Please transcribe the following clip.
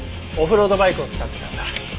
オフロードバイクを使ってたんだ。